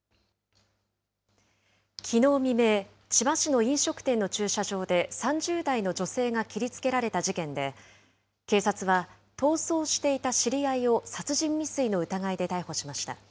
きのう未明、千葉市の飲食店の駐車場で３０代の女性が切りつけられた事件で、警察は逃走していた知り合いを殺人未遂の疑いで逮捕しました。